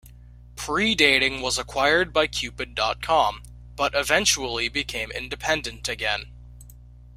Pre-Dating was acquired by Cupid dot com, but eventually became independent again.